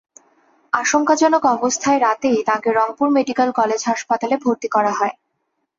আশঙ্কাজনক অবস্থায় রাতেই তাঁকে রংপুর মেডিকেল কলেজ হাসপাতালে ভর্তি করা হয়।